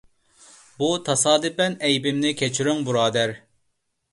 بۇ تاسادىپەن ئەيىبىمنى كەچۈرۈڭ، بۇرادەر.